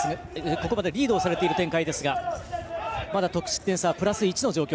ここまでリードをされている展開ですがまだ得失点差はプラス１の状況。